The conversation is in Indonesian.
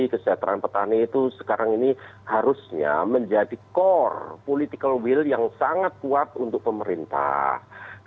kesejahteraan petani itu sekarang ini harusnya menjadi core political will yang sangat kuat untuk pemerintah